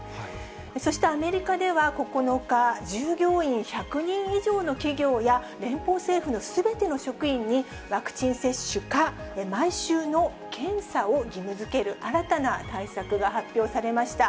そしてアメリカでは９日、従業員１００人以上の企業や、連邦政府のすべての職員に、ワクチン接種か、毎週の検査を義務づける新たな対策が発表されました。